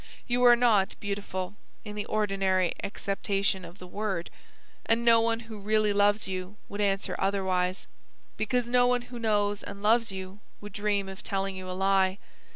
You are not beautiful, in the ordinary acceptation of the word, and no one who really loves you would answer otherwise; because no one who knows and loves you would dream of telling you a lie.